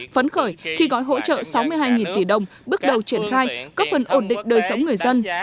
phấn khởi khi gói hỗ trợ sáu mươi hai tỷ đồng bước đầu triển khai cấp phần ổn định đời sống người dân